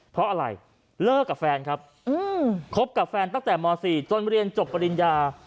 เพราะอะไรเลิกกับแฟนครับคบกับแฟนตั้งแต่ม๔จนเรียนจบปริญญา